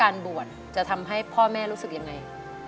บวชจะทำให้พ่อแม่รู้สึกยังไง